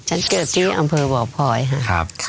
ฉันเกิดที่อำเภอบ่อพลอยค่ะ